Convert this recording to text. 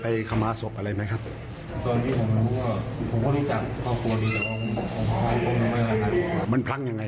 ไม่รู้ครับผมก็เคยทำแต่ว่าทำมาได้ยังไง